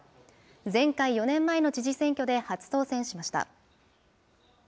前回・４年前の知事選挙で初当選しました。